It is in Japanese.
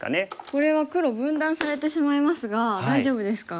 これは黒分断されてしまいますが大丈夫ですか？